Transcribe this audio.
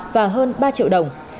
và hơn ba triệu đồng